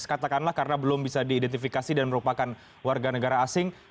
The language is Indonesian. katakanlah karena belum bisa diidentifikasi dan merupakan warga negara asing